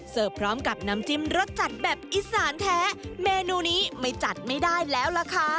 พร้อมกับน้ำจิ้มรสจัดแบบอีสานแท้เมนูนี้ไม่จัดไม่ได้แล้วล่ะค่ะ